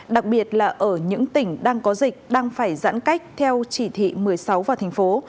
đặc biệt là ở những tỉnh đang có dịch đang phải giãn cách theo chỉ thị một mươi sáu và thành phố